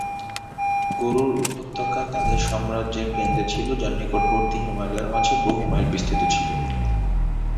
গরুড় উপত্যকা তাদের সাম্রাজ্যের কেন্দ্র ছিল যা নিকটবর্তী হিমালয়ের মাঝে বহু মাইল বিস্তৃত ছিল।